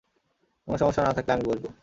কোনো সমস্যা না থাকলে আমি বসবো।